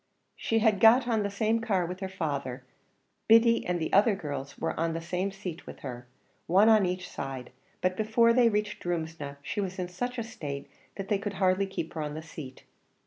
She had got on the same car with her father; Biddy and the other girl were on the same seat with her, one on each side; but before they reached Drumsna, she was in such a state, that they could hardly keep her on the seat.